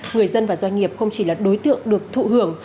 người dân và doanh nghiệp không chỉ là đối tượng được thụ hưởng